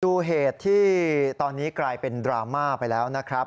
ดูเหตุที่ตอนนี้กลายเป็นดราม่าไปแล้วนะครับ